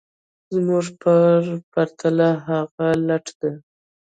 زموږ په پرتله هغوی لټ دي